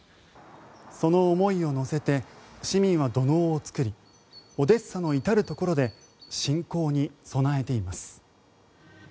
その思いを乗せて市民は土のうを作りオデッサの至るところで侵攻に備えています。